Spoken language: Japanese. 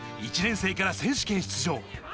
１年生から選手権出場。